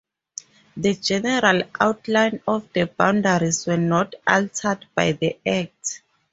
The general outline of the boundaries were not altered by the Act.